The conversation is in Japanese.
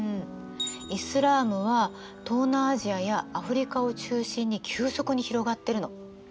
イスラームは東南アジアやアフリカを中心に急速に広がってるの。